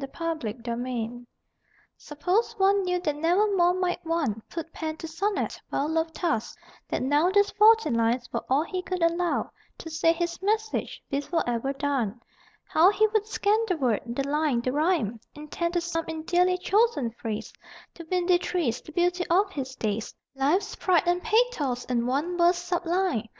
THE LAST SONNET Suppose one knew that never more might one Put pen to sonnet, well loved task; that now These fourteen lines were all he could allow To say his message, be forever done; How he would scan the word, the line, the rhyme, Intent to sum in dearly chosen phrase The windy trees, the beauty of his days, Life's pride and pathos in one verse sublime.